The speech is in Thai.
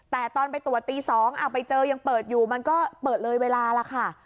แต่ตอนไปตรวจตี๒ไปเจอยังเปิดอยู่มันก็เปิดเลยเวลาล่ะค่ะ